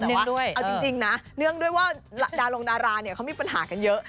แต่ว่าเอาจริงนะเนื่องด้วยว่าดารงดาราเนี่ยเขามีปัญหากันเยอะ